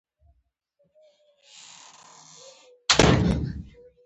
ده دې خبرې ته اشاره وکړه.